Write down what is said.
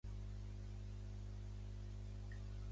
Laud és articulista per al diari britànic "The Mail on Sunday".